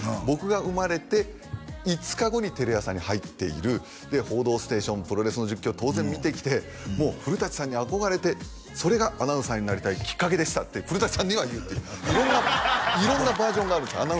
僕が生まれて５日後にテレ朝に入っているで「報道ステーション」プロレスの実況当然見てきてもう古さんに憧れてそれがアナウンサーになりたいキッカケでしたって古さんには言ってる色んな色んなバージョンがあるんです